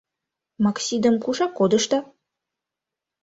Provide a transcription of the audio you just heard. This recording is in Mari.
Максидам кушак кодышда?